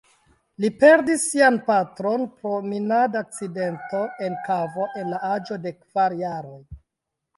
Li perdis sian patron pro minadakcidento en kavo en la aĝo de kvar jaroj.